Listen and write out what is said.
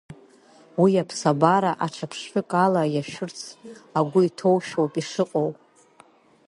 Уи аԥсабара аҽа ԥштәык ала иашәырц агәы иҭоушәоуп ишыҟоу.